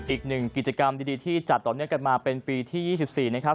อีกหนึ่งกิจกรรมดีที่จัดต่อเนื่องกันมาเป็นปีที่๒๔นะครับ